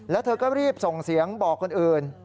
แล้วเธอก็รีบส่งเสียงบอกคนอื่น